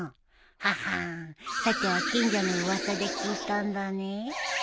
ははんさては近所の噂で聞いたんだねキヒヒ